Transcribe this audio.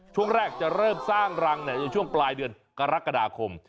ช่วงแรกจะเริ่มสร้างรังในช่วงปลายเดือนกรกฎาคม